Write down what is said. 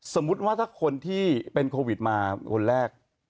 สมมุติว่าถ้าคนที่เป็นโควิดมาคนแรก